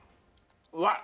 うわっ。